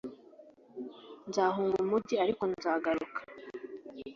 nzahunga umujyi ariko nzagaruka